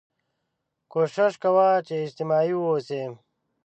کوښښ کوه چې اجتماعي واوسې